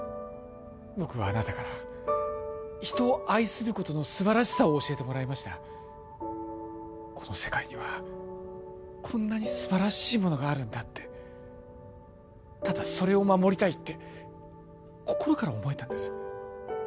僕はあなたから人を愛することのすばらしさを教えてもらいましたこの世界にはこんなにすばらしいものがあるんだってただそれを守りたいって心から思えたんです